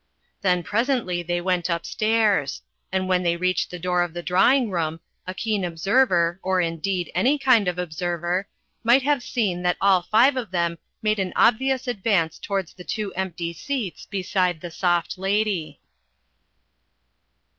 Then presently they went upstairs. And when they reached the door of the drawing room a keen observer, or, indeed, any kind of observer, might have seen that all five of them made an obvious advance towards the two empty seats beside the Soft Lady.